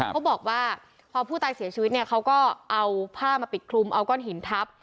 เขาบอกว่าพอผู้ตายเสียชีวิตเนี่ยเขาก็เอาผ้ามาปิดคลุมเอาก้อนหินทับ